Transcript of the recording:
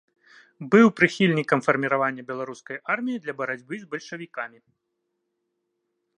Быў прыхільнікам фарміравання беларускай арміі для барацьбы з бальшавікамі.